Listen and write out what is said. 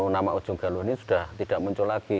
nama ujung galuh ini sudah tidak muncul lagi